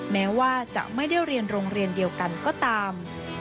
แม้ว่าจะไม่ได้เรียนโรงเรียนเดียวกันก็ตาม